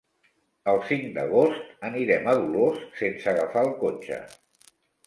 El cinc d'agost anirem a Dolors sense agafar el cotxe.